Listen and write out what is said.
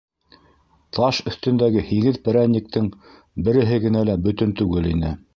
Таш өҫтөндәге һигеҙ перәниктең береһе генә лә бөтөн түгел ине.